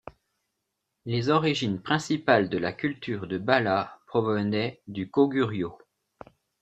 Les origines principales de la culture de Balhae provenait du Koguryo.